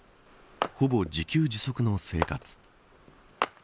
ほぼ自給自足の生活。